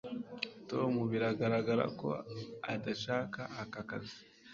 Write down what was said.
tom biragaragara ko adashaka aka kazi